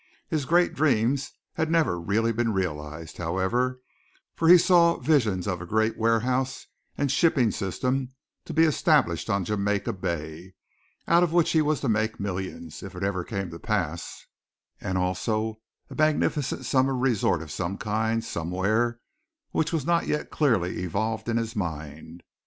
His great dreams had never really been realized, however, for he saw visions of a great warehouse and shipping system to be established on Jamaica Bay, out of which he was to make millions, if it ever came to pass, and also a magnificent summer resort of some kind, somewhere, which was not yet clearly evolved in his mind.